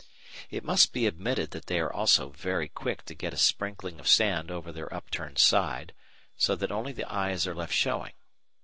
It must be admitted that they are also very quick to get a sprinkling of sand over their upturned side, so that only the eyes are left showing.